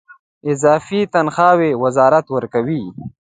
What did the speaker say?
اضافي تنخواوې وزارت ورکولې.